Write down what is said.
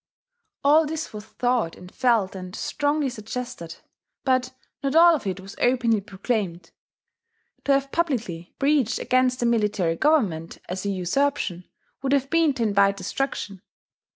All this was thought and felt and strongly suggested; but not all of it was openly proclaimed. To have publicly preached against the military government as a usurpation would have been to invite destruction.